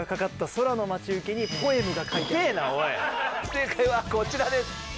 正解はこちらです！